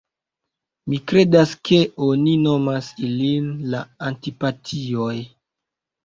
Mi kredas ke oni nomas ilin la Antipatioj.